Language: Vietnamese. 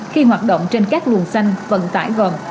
khi hoạt động trên các luồng xanh vận tải gần